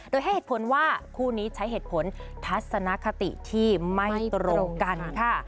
โดยให้เหตุผลว่าคู่นี้ใช้เหตุผลทัศนคติที่ไม่ตรงกันค่ะ